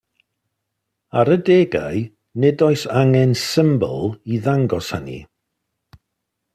Ar adegau, nid oes angen symbol i ddangos hynny.